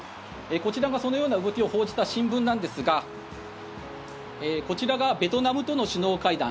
こちらがそのような動きを報じた新聞なんですがこちらがベトナムとの首脳会談